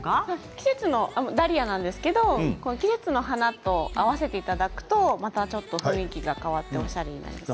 季節のダリアなんですけど季節の花と合わせていただくとまたちょっと雰囲気が変わっておしゃれになります。